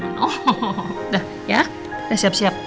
udah ya siap siap